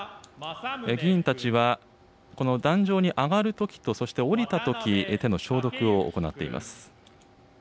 議員たちは、この壇上に上がるときと、そして下りたとき、手の消毒を行っています。